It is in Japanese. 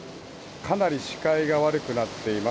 かなり視界が悪くなっています。